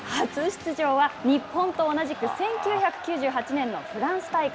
初出場は、日本と同じく１９９８年のフランス大会。